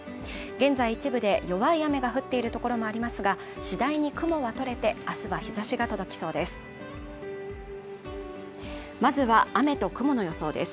現在一部で弱い雨が降っている所もありますが次第に雲がとれて明日は日差しが届きそうです